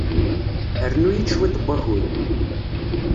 Rnu-iyi-d cwiṭ n wakud.